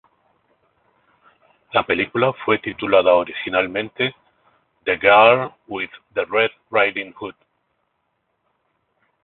La película fue titulada originalmente "The Girl with the Red Riding Hood".